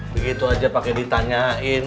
begitu aja pake ditanyain